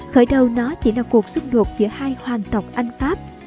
khởi đầu nó chỉ là cuộc xung đột giữa hai hoàng tộc anh pháp